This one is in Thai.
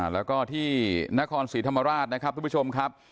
แล้วก็ที่นครศรีธรรมราชนะครับทุกผู้ชมครับ